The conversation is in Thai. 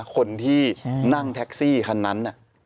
คนที่นั่งแท็กซี่คันนั้น